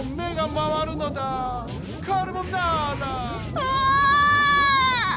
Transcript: うわ。